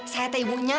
saya netek ibunya